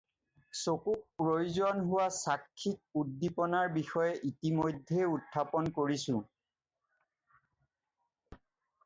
চকুক প্ৰয়োজন হোৱা চাক্ষিক উদ্দীপনাৰ বিষয়ে ইতিমধ্যেই উত্থাপন কৰিছোঁ।